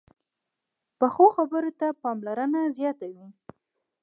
پخو خبرو ته پاملرنه زیاته وي